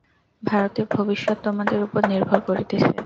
ভারতের ভবিষ্যৎ তোমাদের উপর নির্ভর করিতেছে।